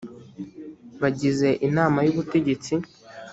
bagize inama y ubutegetsi